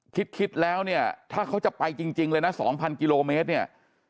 คิดแล้วเนี่ยถ้าเขาจะไปจริงเลยนะ๒๐๐กิโลเมตรเนี่ย